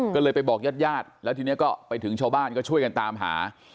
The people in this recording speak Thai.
ก็เลยไปบอกญาติญาติแล้วทีนี้ก็ไปถึงชาวบ้านก็ช่วยกันตามหา